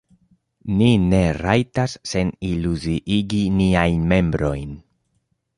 Ni ne rajtas seniluziigi niajn membrojn!